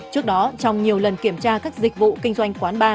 trước đó trong nhiều lần kiểm tra các dịch vụ kinh doanh quán bar